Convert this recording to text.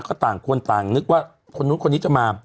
ก็ต่างคนต่างนึกว่าคนนู้นคนนี้จะมา